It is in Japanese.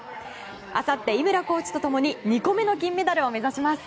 あさって、井村コーチと共に２個目の金メダルを目指します。